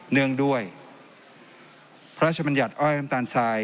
เนื่องด้วยพระราชบัญญัติอ้อยน้ำตาลทราย